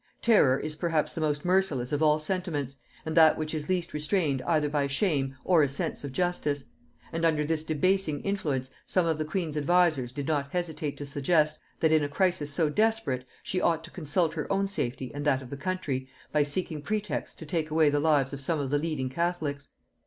Terror is perhaps the most merciless of all sentiments, and that which is least restrained either by shame or a sense of justice; and under this debasing influence some of the queen's advisers did not hesitate to suggest, that in a crisis so desperate, she ought to consult her own safety and that of the country, by seeking pretexts to take away the lives of some of the leading catholics.